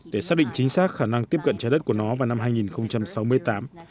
để xác định chính xác khả năng tiếp cận trái đất của nó vào năm hai nghìn sáu mươi tám